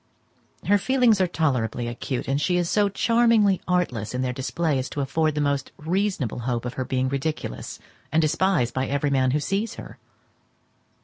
Her feelings are tolerably acute, and she is so charmingly artless in their display as to afford the most reasonable hope of her being ridiculous, and despised by every man who sees her.